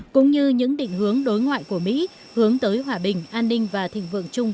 cũng như những định hướng đối ngoại của mỹ hướng tới hòa bình an ninh và thịnh vượng chung